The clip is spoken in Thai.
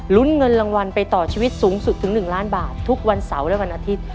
ลุ้นเงินรางวัลไปต่อชีวิตสูงสุดถึง๑ล้านบาททุกวันเสาร์และวันอาทิตย์